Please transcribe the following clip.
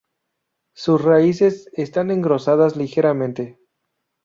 Sus raíces están engrosadas ligeramente.